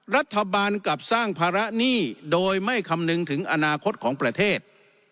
รัฐบาลกลับสร้างภาระหนี้โดยไม่คำนึงถึงอนาคตของประเทศ